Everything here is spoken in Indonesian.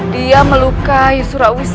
dia melukai surawisesa